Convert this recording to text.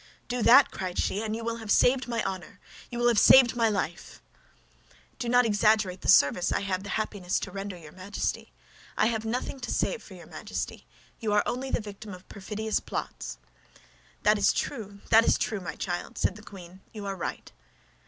"Do that," cried she, "and you will have saved my life, you will have saved my honor!" "Do not exaggerate the service I have the happiness to render your Majesty. I have nothing to save for your Majesty; you are only the victim of perfidious plots." "That is true, that is true, my child," said the queen, "you are right."